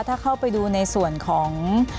ถ้าเข้าไปดูในส่วนของ